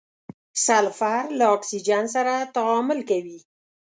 سلفر له اکسیجن سره تعامل کوي.